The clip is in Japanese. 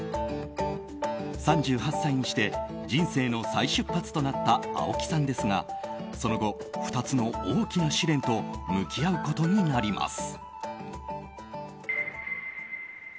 ３８歳にして人生の再出発となった青木さんですがその後２つの大きな試練と向き合うことになります。